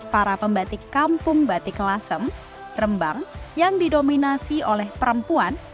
para pembatik kampung batik lasem rembang yang didominasi oleh perempuan